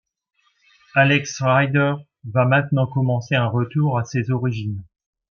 Alex Rider va maintenant commencer un retour à ses origines.